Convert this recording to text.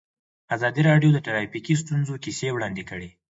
ازادي راډیو د ټرافیکي ستونزې کیسې وړاندې کړي.